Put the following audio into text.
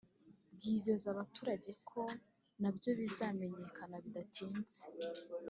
bwizeza abaturage ko nabyo bizamenyekana bidatinze